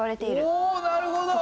おおっなるほど！